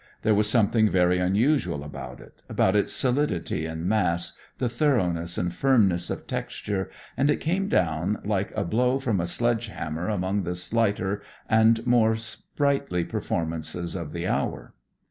There was something very unusual about it, about its solidity and mass, the thoroughness and firmness of texture, and it came down like a blow from a sledge hammer among the slighter and more sprightly performances of the hour.